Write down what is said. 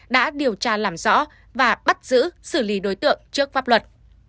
đã điều tra làm rõ và bắt giữ xử lý đối tượng trước pháp luật